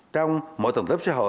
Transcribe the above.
trong mọi tầm tấp sách